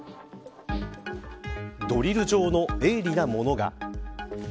ドリル状の鋭利なものが。